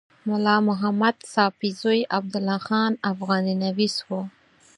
ملا محمد ساپي زوی عبدالله خان افغاني نویس و.